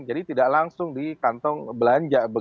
jadi tidak langsung di kantong belanja